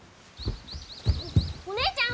お姉ちゃん